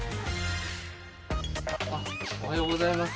おはようございます。